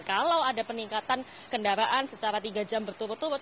kalau ada peningkatan kendaraan secara tiga jam berturut turut